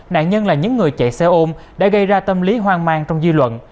nạn nhân là những người chạy xe ôm đã gây ra tâm lý hoang mang trong dư luận